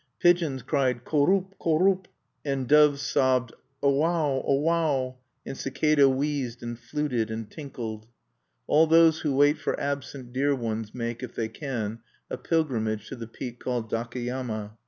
Pigeons cried korup korup; and doves sobbed owao, owao and cicada wheezed and fluted and tinkled. All those who wait for absent dear ones make, if they can, a pilgrimage to the peak called Dakeyama.